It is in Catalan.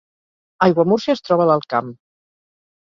Aiguamúrcia es troba l’Alt Camp